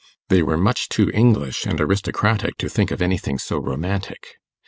They were much too English and aristocratic to think of anything so romantic.